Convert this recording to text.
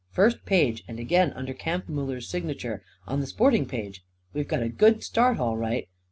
"First page; and again, under Kampfmuller's sign'ture, on the sporting page. We've got a good start, all right.